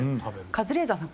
カズレーザーさん